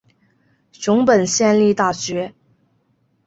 熊本县立大学